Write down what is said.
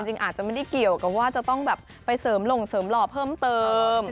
อาจจะไม่ได้เกี่ยวกับว่าจะต้องแบบไปเสริมหลงเสริมหล่อเพิ่มเติม